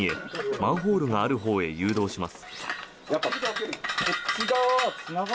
マンホールがあるほうへ誘導します。